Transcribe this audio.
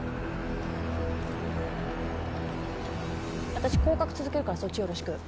私行確続けるからそっちよろしく。